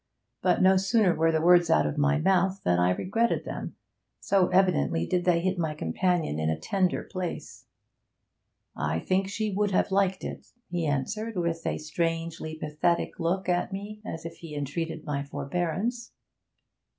But no sooner were the words out of my mouth than I regretted them, so evidently did they hit my companion in a tender place. 'I think she would have liked it,' he answered, with a strangely pathetic look at me, as if he entreated my forbearance.